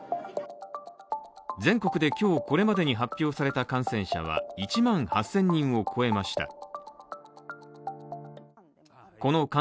全国で今日これまでに発表された感染者は１万８０００人を超えました。